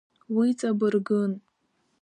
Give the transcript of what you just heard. Уи ҵабыргын.